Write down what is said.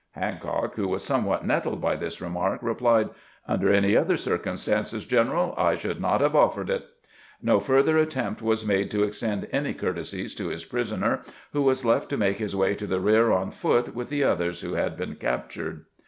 Hancock, who was somewhat nettled by this remark, replied, "Under any other circumstances, general, I should not have offered it." No further attempt was made to extend any courtesies to his prisoner, who was left to make his way to the rear on foot with the others who had been captured.